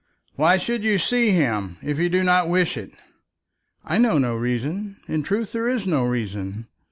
"Why should you see him, if you do not wish it?" "I know no reason. In truth there is no reason.